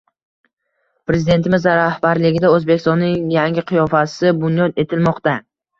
Prezidentimiz rahbarligida Oʻzbekistonning yangi qiyofasi bunyod etilmoqda.